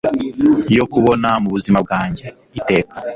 yo kukubona mu buzima bwanjye.iteka